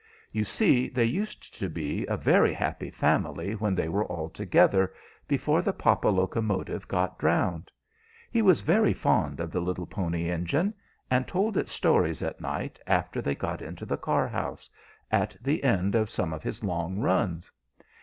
You see they used to be a very happy family when they were all together, before the papa locomotive got drowned. He was very fond of the little Pony Engine, and told it stories at night after they got into the car house, at the end of some of his long runs.